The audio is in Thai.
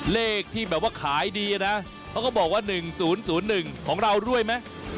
เลขที่แบบว่าขายดีนะเขาก็บอกว่า๑๐๐๑ของเราด้วยไหม